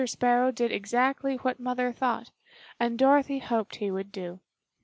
Sparrow did exactly what Mother thought, and Dorothy hoped he would do.